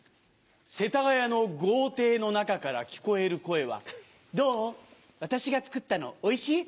世田谷の豪邸の中から聞こえる声は「どう？私が作ったのおいしい？」。